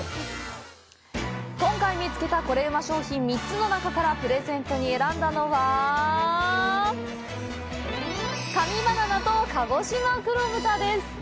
今回見つけたコレうま商品３つの中からプレゼントに選んだのは神バナナと、かごしま黒豚です！